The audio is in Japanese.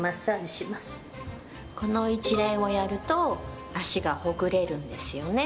この一連をやると足がほぐれるんですよね。